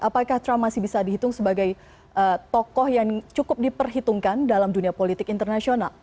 apakah trump masih bisa dihitung sebagai tokoh yang cukup diperhitungkan dalam dunia politik internasional